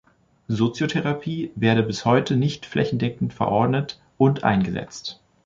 Soziotherapie werde bis heute nicht flächendeckend verordnet und eingesetzt.